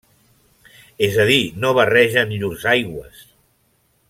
És a dir, no barregen llurs aigües.